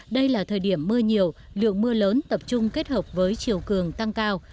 đây là thời điểm mưa nhiều lượng mưa lớn tập trung kết hợp với chiều cường tăng cao